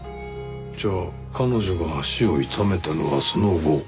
じゃあ彼女が足を痛めたのはその後。